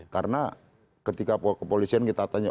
karena ketika kepolisian kita tanya